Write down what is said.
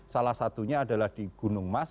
salah satunya adalah di gunung mas